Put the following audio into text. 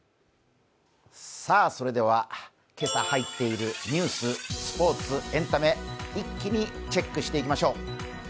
それでは今朝入っているニュース、スポーツ、エンタメ、一気にチェックしていきましょう。